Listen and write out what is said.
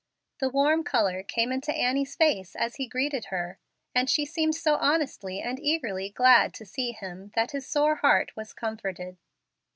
The warm color came into Annie's face as he greeted her, and she seemed so honestly and eagerly glad to see him that his sore heart was comforted.